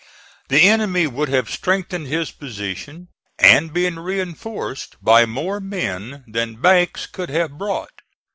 The enemy would have strengthened his position and been reinforced by more men than Banks could have brought.